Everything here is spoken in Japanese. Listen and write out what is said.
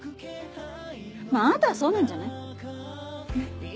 まぁあんたはそうなんじゃない？